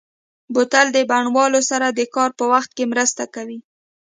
بوتل د بڼوالو سره د کار په وخت کې مرسته کوي.